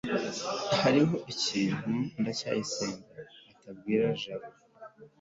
hariho ikintu ndacyayisenga atabwira jabo